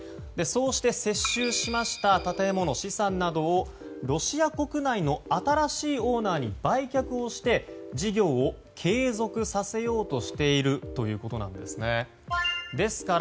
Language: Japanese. そうして接収しました建物、資産などをロシア国内の新しいオーナーに売却をして事業を継続させようとしているということなんです。